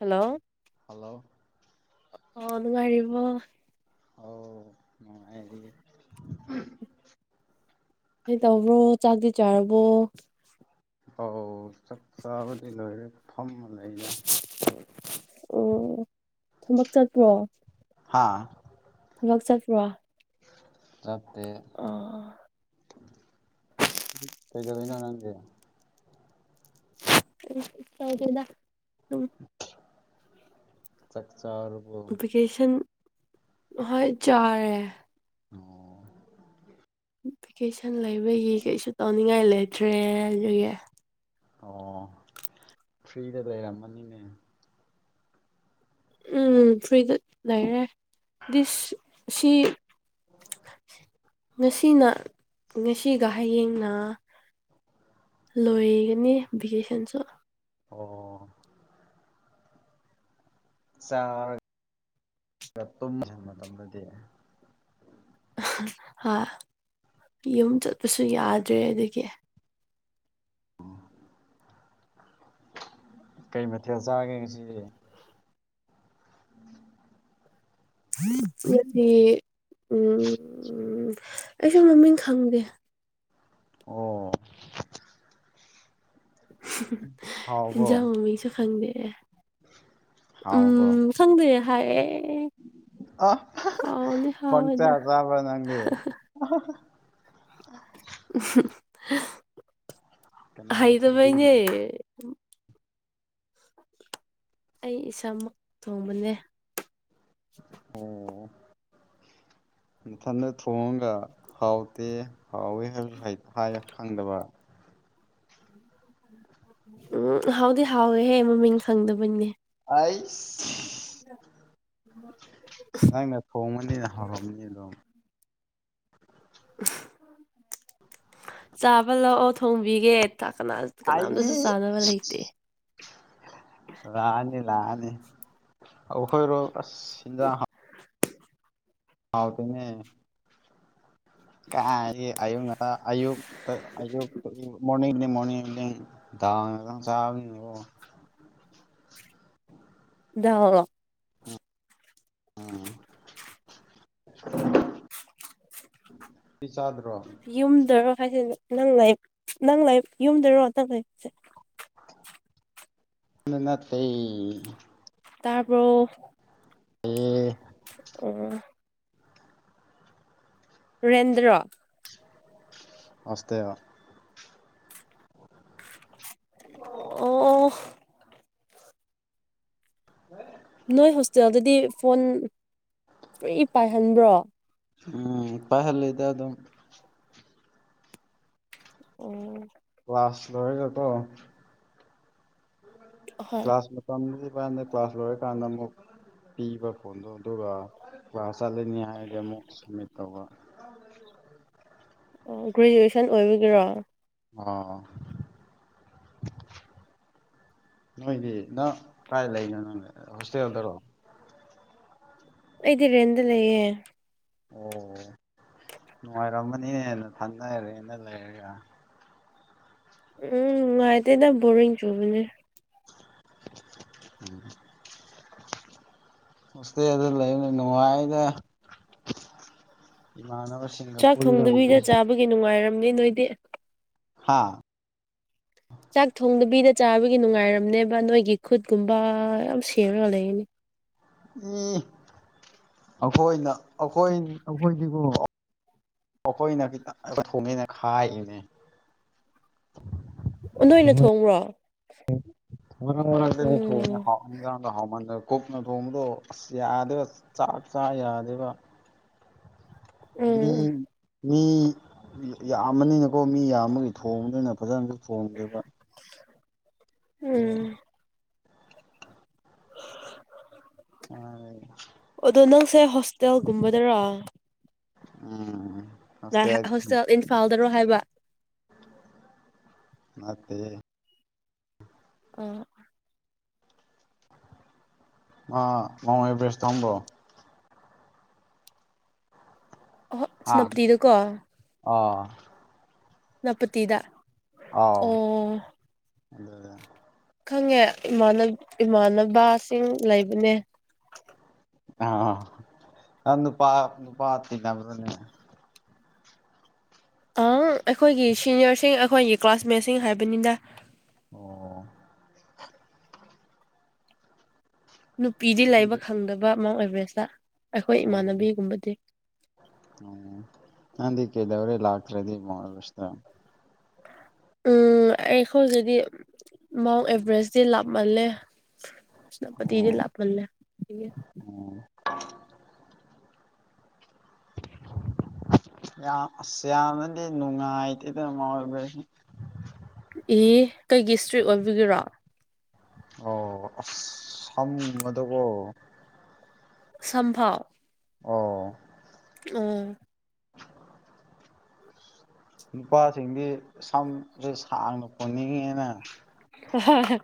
Hello hello ꯑꯣ ꯅꯨꯡꯉꯥꯏꯔꯤꯕꯣ ꯑꯧ ꯅꯨꯡꯉꯥꯏꯔꯤ ꯀꯔꯤ ꯇꯧꯕ꯭ꯔꯣ ꯆꯥꯛꯇꯤ ꯆꯥꯔꯕꯣ ꯑꯧ ꯆꯥꯛ ꯆꯥꯕꯗꯤ ꯂꯣꯏꯔꯦ ꯐꯝꯃ ꯂꯩꯗ ꯎꯝ ꯊꯕꯛ ꯆꯠꯄ꯭ꯔꯣ ꯍꯥꯥ ꯊꯕꯛ ꯆꯠꯄ꯭ꯔꯣ ꯆꯠꯇꯦ ꯀꯩꯗꯧꯔꯤꯅꯣ ꯅꯪꯗꯤ ꯀꯔꯤꯁꯨ ꯇꯧꯗꯦꯗ ꯎꯝ ꯆꯥꯛꯆꯥ ꯚꯦꯀꯦꯁꯟ ꯍꯣꯏ ꯆꯥꯔꯦ ꯎꯝ ꯚꯦꯀꯦꯁꯟ ꯂꯩꯕꯒꯤ ꯀꯩꯁꯨ ꯇꯧꯅꯤꯡꯉꯥꯏ ꯂꯩꯇ꯭ꯔꯦ ꯑꯗꯨꯒꯤ ꯑꯣ ꯐ꯭ꯔꯤꯗ ꯂꯩꯔꯝꯃꯅꯤꯅꯦ ꯎꯝ ꯐ꯭ꯔꯤꯗ ꯂꯩꯔꯦ ꯗꯤꯁ ꯁꯤ ꯉꯁꯤ ꯁꯤꯅ ꯉꯁꯤꯒ ꯍꯌꯦꯡꯅ ꯂꯣꯏꯒꯅꯤ ꯚꯦꯀꯦꯁꯟꯁꯨ ꯑꯣ ꯆꯥꯔ ꯇꯨꯝꯖꯤꯜ ꯃꯇꯝꯗꯗꯤ ꯍꯥ ꯌꯨꯝ ꯆꯠꯄꯁꯨ ꯌꯥꯗ꯭ꯔꯦ ꯑꯗꯨꯒꯤ ꯀꯩ ꯃꯊꯦꯜ ꯆꯥꯒꯦ ꯉꯁꯤꯗꯤ ꯑꯗꯨꯗꯤ ꯎꯝ ꯑꯩꯁꯨ ꯃꯃꯤꯡ ꯈꯪꯗꯦ ꯑꯣ ꯍꯥꯎꯕ꯭ꯔꯣ ꯏꯟꯖꯥꯡ ꯃꯃꯤꯡꯁꯨ ꯈꯪꯗꯦ ꯍꯥꯎꯕ꯭ꯔꯣ ꯎꯝ ꯈꯪꯗꯦ ꯍꯥꯏꯔꯦ ꯑ ꯄꯪꯆꯥ ꯍꯥꯎꯋꯦꯗ ꯆꯥꯕꯔꯥ ꯅꯪꯗꯤ ꯑ ꯀꯅꯥꯅ ꯊꯣꯡꯕꯤꯔꯤꯅꯣ ꯍꯩꯇꯕꯩꯅꯦ ꯑꯩ ꯏꯁꯥꯃꯛ ꯊꯣꯡꯕꯅꯦ ꯑꯣ ꯅꯊꯟꯗ ꯊꯣꯡꯉꯒ ꯍꯥꯎꯇꯦ ꯍꯥꯎꯏ ꯍꯥꯏꯕꯁꯨ ꯍꯩ ꯍꯥꯏ ꯈꯪꯗꯕ ꯎꯝ ꯍꯥꯎꯗꯤ ꯍꯥꯎꯋꯦꯍꯦ ꯃꯃꯤꯡ ꯈꯪꯗꯕꯩꯅꯦ ꯑꯩꯁ ꯅꯪꯅ ꯊꯣꯡꯕꯅꯤꯅ ꯍꯥꯎꯔꯝꯅꯤ ꯑꯗꯨꯝ ꯆꯥꯕ ꯂꯥꯛꯑꯣ ꯊꯣꯡꯕꯤꯒꯦ ꯇ ꯀꯅꯥ ꯑꯩ ꯀꯅꯥꯝꯇꯁꯨ ꯆꯥꯅꯕ ꯂꯩꯇꯦ ꯂꯥꯛꯑꯅꯤ ꯂꯥꯛꯑꯅꯤ ꯑꯈꯣꯏꯔꯣ ꯑꯁ ꯍꯤꯟꯖꯥꯡ ꯍꯥ ꯍꯥꯎꯇꯦꯅꯦ ꯀꯥꯏꯗꯒꯤ ꯑꯌꯨꯛ ꯉꯡꯇ ꯑꯌꯨꯛ ꯇ ꯑꯌꯨꯛ [unintelligible] ꯃꯣꯔꯅꯤꯡꯅꯦ ꯃꯣꯔꯅꯤꯡ ꯅꯤꯡ ꯗꯥꯜ ꯈꯛ ꯆꯥꯕꯅꯦꯀꯣ [unintelligible] ꯑꯝ ꯄꯤꯆꯥꯗ꯭ꯔꯣ ꯌꯨꯝꯗꯔꯣ ꯍꯥꯏꯗꯤ ꯅꯪ ꯂꯩ ꯅꯪ ꯂꯩ ꯌꯨꯝꯗꯔꯣ ꯅꯪ ꯂꯩꯕꯁꯦ ꯅ ꯅꯠꯇꯦ ꯇꯥꯕ꯭ꯔꯣ ꯑꯦ ꯑꯣ ꯔꯦꯟꯗꯔꯣ ꯍꯣꯁꯇꯦꯜ [inaudible] ꯑꯣ [inaudible] ꯅꯣꯏ ꯍꯣꯁꯇꯦꯜꯗꯗꯤ ꯐꯣꯟ ꯐ꯭ꯔꯤ ꯄꯥꯏꯍꯟꯕ꯭ꯔꯣ ꯎꯝ ꯄꯥꯏꯍꯜꯂꯦꯗ ꯑꯗꯨꯝ ꯑꯣ ꯀ꯭ꯂꯥꯁ ꯂꯣꯏꯔꯕꯣ ꯍꯣꯏ ꯀ꯭ꯂꯥꯁ ꯃꯇꯝꯗꯨ [unintelligible] ꯀ꯭ꯂꯥꯁ ꯂꯣꯏꯔꯀꯥꯟꯗ ꯑꯃꯨꯛ ꯄꯤꯕ ꯐꯣꯟꯗꯣ ꯑꯗꯨꯒ ꯀ꯭ꯂꯥꯁ ꯆꯠꯂꯅꯤ ꯍꯥꯏꯔꯗꯤꯦ ꯑꯃꯨꯛ ꯁꯃꯤꯠ ꯇꯧꯕ ꯑꯣ ꯒ꯭ꯔꯦꯖꯨꯋꯦꯁꯟ ꯑꯣꯏꯕꯒꯤꯔꯣ ꯑꯣ ꯅꯣꯏꯗꯤ ꯅꯪ ꯀꯥꯏ ꯂꯩꯅꯣ ꯅꯪꯗꯤ ꯍꯣꯁꯇꯦꯜꯗꯔꯣ ꯑꯩꯗꯤ ꯔꯦꯟꯗ ꯂꯩꯌꯦ ꯑꯣ ꯅꯨꯡꯉꯥꯏꯔꯝꯃꯅꯤꯦꯍꯦ ꯅꯊꯟꯗ ꯔꯦꯟꯗ ꯂꯩꯔꯒ ꯎꯝ ꯅꯨꯡꯉꯥꯏꯇꯦꯗ ꯕꯣꯔꯤꯡ ꯆꯨꯕꯅꯦ [unintelligible] ꯍꯣꯁꯇꯦꯜꯗ ꯂꯩꯕꯅ ꯅꯨꯡꯉꯥꯏꯗ ꯏꯃꯥꯟꯅꯕꯁꯤꯡꯒ ꯄꯨꯜꯂꯒꯀꯣ ꯗꯨꯒꯤ ꯅꯨꯡꯉꯥꯏꯔꯝꯅꯤ ꯅꯣꯏꯗꯤ ꯍꯥꯥ ꯆꯥꯛ ꯊꯣꯡꯗꯕꯤꯗ ꯆꯥꯕꯒꯤ ꯅꯨꯡꯉꯥꯏꯔꯝꯅꯦꯕ ꯅꯣꯏꯒꯤ ꯈꯨꯠꯀꯨꯝꯕ ꯌꯥꯝ ꯁꯦꯝꯔꯒ ꯂꯩꯅꯤ ꯏ ꯑꯈꯣꯏꯅ ꯑꯈꯣꯏ ꯑꯈꯣꯏꯗꯤꯀꯣ ꯑꯩꯈꯣꯏꯅ ꯈꯤꯇꯪ ꯊꯣꯡꯉꯦꯅ ꯈꯥꯏꯌꯤꯅꯦ ꯑꯣ ꯅꯣꯏꯅ ꯊꯣꯡꯕ꯭ꯔꯣ ꯃꯔꯛ ꯃꯔꯛꯇꯗꯤ ꯊꯣꯡꯉꯦ ꯎꯝ ꯍꯥꯎ ꯏꯟꯖꯥꯡꯗꯣ ꯍꯥꯡꯃꯟꯗ ꯀꯨꯛꯅ ꯊꯣꯡꯕꯗꯣ ꯑꯁ ꯌꯥꯗꯦꯕ ꯆꯥꯛ ꯆꯥ ꯌꯥꯗꯦꯕ ꯃꯤ ꯎꯝ ꯃꯤ ꯌꯥꯝꯕꯅꯤꯅꯀꯣ ꯃꯤ ꯌꯥꯝꯕꯒꯤ ꯊꯣꯡꯕꯅꯤꯅ ꯐꯖꯅꯁꯨ ꯊꯣꯡꯗꯦꯕ ꯎꯝ ꯍꯣꯏ꯫ ꯑꯗꯣ ꯅꯪꯁꯦ ꯍꯣꯁꯇꯦꯜꯒꯨꯝꯕꯗꯔ꯫ ꯎꯝ꯫ ꯅꯪ ꯍꯣꯁꯇꯦꯜ ꯏꯝꯐꯥꯜꯗꯔꯣ ꯍꯥꯏꯕ꯫ ꯅꯠꯇꯦ꯫ ꯑ꯫ ꯃꯥ ꯃꯥꯎꯟ ꯑꯦꯚꯔꯦꯁ ꯇꯝꯕ꯭ꯔꯣ꯫ ꯑꯍꯣ ꯍꯥ ꯁꯦꯅꯥꯄꯇꯤꯗꯀꯣ꯫ ꯑꯥ꯫ ꯁꯦꯅꯥꯄꯇꯤꯗ꯫ ꯑꯥꯎ ꯑꯣ ꯑꯗꯨꯗ꯫ ꯈꯪꯉꯦ ꯏꯃꯥꯟꯅ ꯏꯃꯥꯟꯅꯕꯁꯤꯡ ꯂꯩꯕꯅꯦ꯫ ꯑ ꯅꯪ ꯅꯨꯄꯥ ꯅꯨꯄꯥ ꯇꯤꯟꯅꯕ꯭ꯅꯦ꯫ ꯑꯪ ꯑꯩꯈꯣꯏꯒꯤ ꯁꯤꯅꯤꯌꯔꯁꯤꯡ ꯑꯩꯈꯣꯏꯒꯤ ꯀ꯭ꯂꯥꯁꯃꯦꯠꯁꯤꯡ ꯍꯥꯏꯕꯅꯤꯗ꯫ ꯑꯣ꯫ ꯅꯨꯄꯤꯗꯤ ꯅꯪꯗꯤ ꯂꯩꯕ ꯈꯪꯗꯕ ꯃꯥꯎꯟ ꯑꯦꯕꯔꯦꯁꯇ ꯑꯩꯈꯣꯏ ꯏꯃꯥꯟꯅꯕꯤꯒꯨꯝꯕꯗꯤ꯫ ꯎꯝ ꯅꯪꯗ ꯀꯩꯗꯕ꯭ꯔꯦ ꯂꯥꯛꯇ꯭ꯔꯦꯗꯤ ꯃꯥꯁ꯭ꯔ ꯑꯦꯚꯦꯔꯁꯇꯥ꯫ ꯎꯝ ꯑꯩꯈꯣꯏꯒꯗꯤ ꯃꯥꯎꯟ ꯑꯦꯚꯔꯦꯁꯇꯤ ꯂꯥꯞꯃꯜꯂꯦ꯫ ꯁꯦꯅꯥꯄꯇꯤꯗꯤ ꯑꯣ ꯂꯥꯞꯃꯜꯂꯦ ꯎꯝ꯫ [inaudible] ꯌꯥꯝ ꯑꯁ ꯌꯥꯝꯅꯗꯤ ꯅꯨꯡꯉꯥꯏꯇꯦꯗ ꯃꯥ ꯑꯣꯏꯕꯩ ꯁꯨꯝ ꯑꯦ ꯀꯩꯒꯤ ꯏꯁꯇ꯭ꯔꯤꯛ ꯑꯣꯏꯕꯤꯒꯤꯔꯣ꯫ ꯑꯣ ꯑꯁ [unintelligible] ꯁꯝꯐꯥꯎ꯫ ꯑꯣ꯫ ꯑꯣ꯫ ꯅꯨꯄꯥꯁꯤꯡꯗꯤ ꯁꯝꯁꯦ ꯁꯥꯡꯅ ꯄꯨꯅꯤꯡꯉꯤꯗꯅ꯫ ꯑ ꯍ ꯑ ꯍ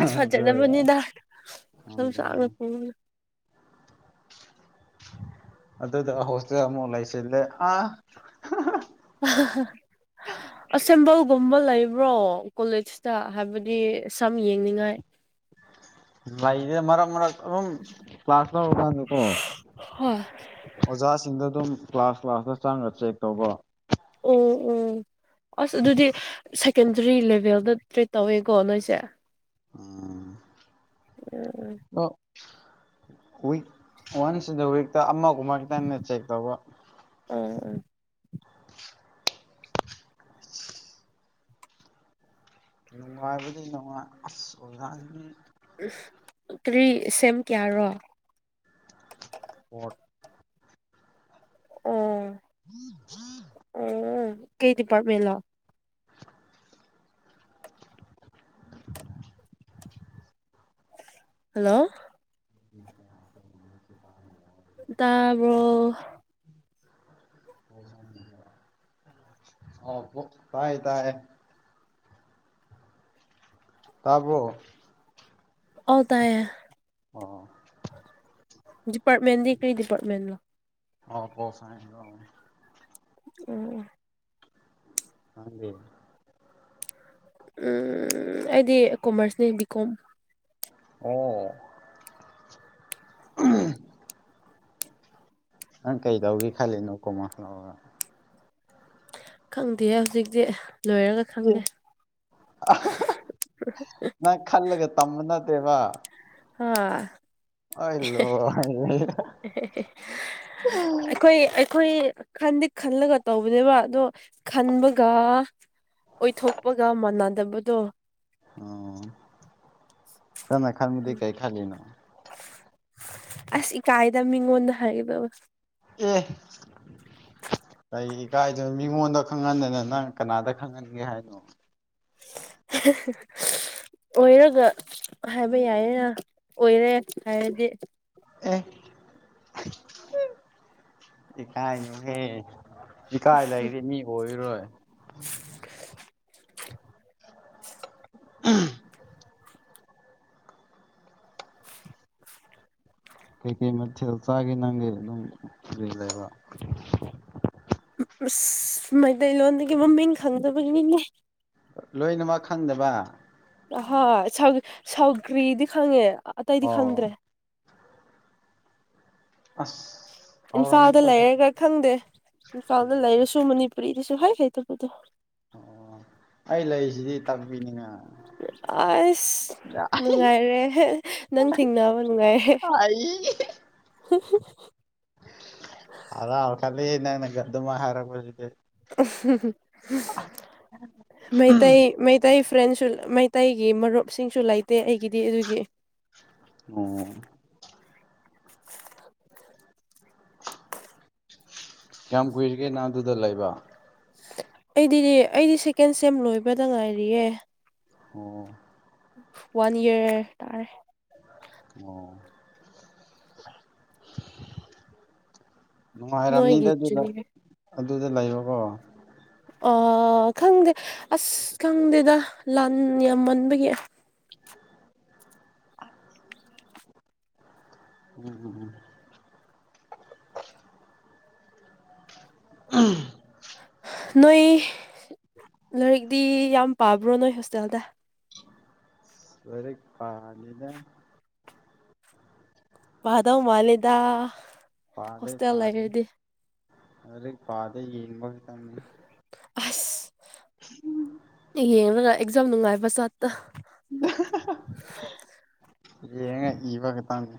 ꯑꯁ ꯑꯗꯨ ꯐꯖꯔꯝꯃꯅꯤꯗ [unintelligible] ꯑꯗꯨꯒ ꯍꯣꯁꯇꯦꯜ ꯑꯃꯨꯛ ꯂꯩꯁꯤꯜꯂꯦ ꯑꯥ꯫ ꯑꯁꯦꯝꯕꯜꯒꯨꯝꯕ ꯂꯩꯕ꯭ꯔꯣ ꯀꯣꯂꯦꯖꯇ ꯍꯥꯏꯕꯗꯤ ꯁꯝ ꯌꯦꯡꯅꯤꯡꯉꯥꯏ꯫ ꯂꯩꯌꯦ ꯃꯔꯛ ꯃꯔꯛ ꯑꯗꯨꯝ ꯀ꯭ꯂꯥꯁ ꯇꯧꯔꯀꯥꯟꯗꯀꯣ꯫ ꯍꯣꯏ ꯑꯣꯖꯥꯁꯤꯡꯗ ꯑꯗꯨꯝ ꯀ꯭ꯂꯥꯁ ꯀ꯭ꯂꯥꯁꯇ ꯆꯪꯉꯒ ꯆꯦꯛ ꯇꯧꯕ꯫ ꯑꯪ ꯑꯪ꯫ ꯑꯁ ꯑꯗꯨꯗꯤ ꯁꯦꯀꯦꯟꯗꯔꯤ ꯂꯦꯕꯦꯜꯗ ꯇ꯭ꯔꯦꯠ ꯇꯧꯋꯦꯀꯣ ꯅꯣꯏꯁꯦ꯫ ꯎꯝ꯫ ꯑꯡ ꯑꯡ꯫ ꯅꯣ ꯋꯤꯛ ꯋꯥꯟꯁ ꯗ ꯋꯤꯛꯇ ꯑꯃꯒꯨꯝ ꯈꯤꯇ ꯆꯦꯛ ꯇꯧꯕ꯫ ꯑꯝ ꯑꯝ꯫ ꯅꯨꯡꯉꯥꯏꯕꯗꯤ ꯅꯨꯡꯉꯥꯏ ꯑꯁ ꯑꯣꯖꯥꯁꯤꯡꯒꯤ ꯀꯔꯤ ꯁꯦꯝ ꯀꯦꯌꯥꯔꯣ꯫ ꯐ꯭ꯔꯣꯠ꯫ ꯑꯣ꯫ ꯨ꯭ [unintelligible] ꯎꯝ ꯀꯩ ꯗꯤꯄꯥꯔꯠꯃꯦꯟꯂꯣ ꯍꯜꯂꯣ [inaudible] ꯇꯕꯔꯣ ꯑ ꯇꯥꯏ ꯇꯥꯔꯦ ꯇꯥꯕꯔꯣ ꯑꯥꯎ ꯇꯥꯌꯦ ꯑꯣ ꯗꯤꯄꯥꯔꯠꯃꯦꯟꯇꯗꯤ ꯀꯔꯤ ꯗꯤꯄꯥꯔꯠꯃꯦꯟ ꯅꯣ [inaudible] ꯎꯝ ꯅꯪꯗꯤ ꯎꯝ ꯑꯩꯗꯤ ꯀꯣꯝꯃꯔꯁꯅꯦ ꯕꯤ ꯀꯣꯝ ꯑꯣ ꯅꯪ ꯀꯩꯗꯧꯒꯦ ꯈꯜꯂꯤꯅꯣ ꯀꯣꯝꯃꯔꯁ ꯂꯧꯔꯒ ꯈꯪꯗꯤꯌꯦ ꯍꯧꯖꯤꯛꯇꯤ ꯂꯣꯏꯔꯒ ꯑꯦ ꯈꯪꯗꯦ [unintelligible] ꯅꯪ ꯈꯜꯂꯒ ꯇꯝꯕ ꯅꯠꯇꯦꯕ ꯍꯥ ꯑꯩ [unintelligible] ꯂꯣꯏꯔꯦ ꯑꯩꯈꯣꯏ ꯑꯩ ꯑꯩꯈꯣꯏ ꯈꯥꯟꯗꯤ ꯈꯜꯂꯒ ꯇꯧꯕꯅꯦꯕ ꯑꯗꯣ ꯈꯟꯕꯒ ꯑꯣꯏꯊꯣꯛꯄꯒ ꯃꯥꯟꯅꯗꯕꯗꯣ ꯑ ꯅꯪꯅ ꯈꯥꯟꯕꯗꯤ ꯀꯩ ꯈꯜꯂꯤꯅꯣ ꯑꯁ ꯏꯀꯥꯏꯗ ꯃꯤꯉꯣꯟꯗ ꯍꯥꯏꯒꯗꯕꯁꯦ ꯑꯦ ꯀꯩꯒꯤ ꯏꯀꯥꯏꯗꯨ ꯃꯤꯉꯣꯟꯗ ꯈꯪꯍꯟꯗꯅ ꯅꯪ ꯀꯅꯥꯗ ꯈꯪꯍꯟꯒꯦ ꯍꯥꯏꯅꯣ [unintelligible] ꯑꯣꯏꯔꯒ ꯍꯥꯏꯕ ꯌꯥꯏꯌꯦꯅ ꯑꯣꯏꯔꯦ ꯍꯥꯏꯔꯗꯤ ꯑꯦ [unintelligible] ꯏꯀꯥꯏꯅꯨꯍꯦ ꯏꯀꯥꯏ ꯂꯩꯔꯗꯤ ꯃꯤ ꯑꯣꯏꯔꯣꯏ [unintelligible] ꯀꯩꯀꯩ ꯃꯊꯦꯜ ꯆꯥꯒꯦ ꯅꯪꯒꯤ ꯑꯗꯨꯝ ꯐꯔꯤ ꯂꯩꯔ [unintelligible] ꯃꯩꯇꯩꯂꯣꯟꯗꯒꯤ ꯃꯃꯤꯡ ꯈꯪꯗꯕꯒꯤꯅꯤꯅꯦ ꯂꯣꯏꯅꯃꯛ ꯈꯪꯗꯕ ꯑꯍꯣꯏ ꯁꯧ ꯁꯧꯒ꯭ꯔꯤꯗꯤ ꯈꯪꯉꯦ ꯑꯇꯩꯗꯤ ꯈꯪꯗ꯭ꯔꯦ ꯑꯣ ꯑꯁ ꯏꯝꯐꯥꯜꯗ ꯍꯥꯎꯔꯝꯅꯤꯀꯣ ꯂꯩꯔꯒ ꯈꯪꯗꯦ ꯏꯝꯐꯥꯜꯗ ꯂꯩꯔꯁꯨ ꯃꯅꯤ ꯄꯨꯔꯤꯗꯁꯨ ꯍ [inaudible] ꯑꯣ ꯑꯩ ꯂꯩꯁꯤꯗꯤ ꯇꯥꯛꯄꯤꯅꯤꯉꯥꯏ ꯑꯁ ꯅꯨꯡꯉꯥꯏꯔꯦꯍꯦ ꯅꯪ ꯊꯤꯡꯅꯕ ꯅꯨꯡꯉꯥꯏꯔꯦ ꯍꯥꯏ [unintelligible] [unintelligible] ꯍꯔꯥꯎ ꯈꯥꯜꯂꯦꯍꯦ ꯅꯪꯅꯒ ꯑꯗꯨꯃꯥ ꯍꯥꯏꯔꯒꯄꯁꯤꯗꯦ [unintelligible] ꯃꯩꯇꯩ ꯃ ꯃꯩꯇꯩ ꯐ꯭ꯔꯦꯟꯁꯨ ꯃꯩꯇꯩꯒꯤ ꯃꯔꯨꯞꯁꯤꯡꯁꯨ ꯂꯩꯇꯦ ꯑꯩꯒꯤꯗꯤ ꯑꯗꯨꯒꯤ ꯑꯣ ꯀꯌꯥꯝ ꯀꯨꯏꯔꯒꯦ ꯅꯪ ꯑꯗꯨꯗ ꯂꯩꯕ ꯑꯩꯗꯤ ꯑꯩꯗꯤ ꯁꯦꯀꯦꯟ ꯁꯦꯝ ꯂꯣꯏꯕꯗ ꯉꯥꯏꯔꯤꯌꯦ ꯑꯣ ꯋꯥꯟ ꯌꯔ ꯇꯥꯔꯦ ꯑꯣ ꯅꯨꯡꯉꯥꯏꯔꯝꯅꯤꯗ ꯅꯣꯏꯒꯤ ꯑꯗꯨꯗ ꯖꯨꯅꯤꯌꯔ ꯑꯗꯨꯗ ꯂꯩꯕꯀꯣ ꯑ ꯈꯪꯗꯦ ꯑꯁ ꯈꯪꯗꯦꯗ ꯂꯥꯟ ꯌꯥꯝꯃꯟꯕꯒꯤ ꯎꯝ [unintelligible] ꯅꯣꯏ ꯂꯥꯏꯔꯤꯛꯗꯤ ꯌꯥꯝ ꯄꯥꯕ꯭ꯔꯣ ꯅꯣꯏ ꯍꯣꯁꯇꯦꯜꯗ ꯂꯥꯏꯔꯤꯛ ꯄꯥꯗꯦꯗ ꯄꯥꯗꯧ ꯃꯥꯂꯦꯗ ꯄꯥꯗꯦ ꯄꯥꯗꯦ ꯂꯥꯏꯔꯤꯛ ꯄꯥꯗꯦ ꯌꯦꯡꯕ ꯈꯛꯇꯪꯅꯤ ꯑꯁ [unintelligible] ꯌꯦꯡꯉꯒ ꯑꯦꯛꯖꯥꯝ ꯅꯨꯡꯉꯥꯏꯕ ꯆꯥꯠꯇꯣ ꯌꯦꯡꯉ ꯏꯕ ꯈꯛꯇꯪꯅꯦ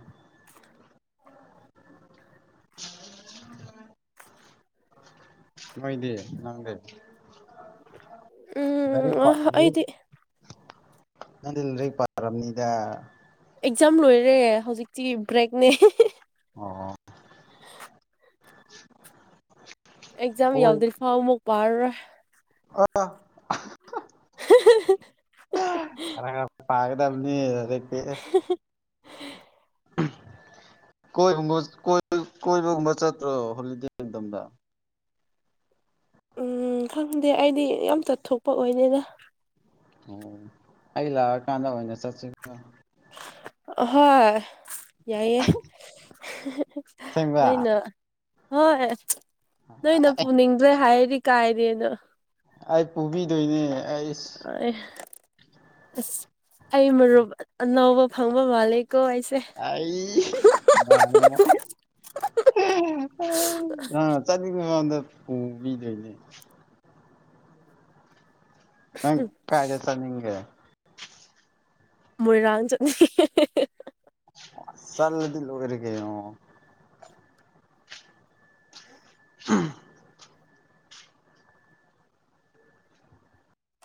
ꯅꯣꯏꯗꯤ ꯅꯪꯗꯤ ꯎꯝ ꯂꯥꯏꯔꯤꯛ ꯑ, ꯄ ꯂꯥꯏꯔꯤꯛ ꯑꯩꯗꯤ ꯅꯪꯗꯤ ꯂꯥꯏꯔꯤꯛ ꯄꯥꯔꯝꯅꯤꯗ ꯑꯦꯛꯖꯥꯝ ꯂꯣꯏꯔꯦ ꯍꯧꯖꯤꯛꯇꯤ ꯕ꯭ꯔꯦꯛꯅꯦ ꯑꯣ ꯑꯣ [inaudible] ꯑꯦꯛꯖꯝ ꯀꯣꯏ ꯌꯥꯎꯗ꯭ꯔꯤ ꯐꯥꯎ ꯑꯃꯨꯛ ꯄꯥꯔꯔꯣꯏ [unintelligible] [inaudible] ꯈꯔ ꯈꯔ ꯄꯥꯒꯗꯕꯅꯤ ꯍꯧꯖꯤꯛꯇꯤ [unintelligible] ꯀꯣꯏꯍꯨꯝꯕ ꯀꯣꯏ ꯀꯣꯏꯕꯒꯨꯝꯕ ꯆꯠꯇ꯭ꯔꯣ ꯍꯣꯂꯤꯗꯦ ꯃꯇꯝꯗ ꯎꯝ ꯈꯪꯗꯦ ꯑꯩꯗꯤ ꯌꯥꯝ ꯆꯠꯊꯣꯛꯄ ꯑꯣꯏꯗꯦꯗ ꯑꯣ ꯑꯩ ꯂꯥꯛꯑ ꯀꯥꯟꯗ ꯑꯣꯏꯅ ꯆꯠꯁꯦ ꯑ ꯑꯍꯣꯏ ꯌꯥꯏꯌꯦ ꯑꯁꯦꯡꯕ ꯅꯣꯏꯅ ꯍꯣꯏ ꯅꯣꯏꯅ ꯄꯨꯅꯤꯡ ꯅꯣꯏ ꯍꯥꯏꯔꯤ ꯀꯥꯏꯗꯦꯅꯣ ꯑꯩ ꯄꯨꯕꯤꯗꯣꯏꯅꯦ ꯑꯩ ꯍꯣꯏ ꯑꯁ ꯑꯩ ꯃꯔꯨꯞ ꯑꯅꯧꯕ ꯐꯪꯕ ꯃꯥꯂꯦꯀꯣ ꯑꯩꯁꯦ ꯑꯩ ꯃꯥ [unintelligible] ꯑ [unintelligible] ꯆꯠꯅꯤꯡꯕꯀꯥꯟꯗ ꯄꯨꯕꯤꯗꯣꯏꯅꯦ ꯑ ꯀꯥꯏꯗ ꯆꯠꯅꯤꯡꯒꯦ ꯃꯣꯏꯔꯥꯡ ꯆꯠꯅꯤꯡꯉꯦ ꯆꯠꯂꯗꯤ ꯂꯣꯏꯔꯦ ꯀꯩꯅꯣ [unintelligible]